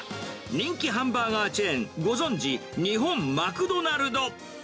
人気ハンバーガーチェーン、ご存じ、日本マクドナルド。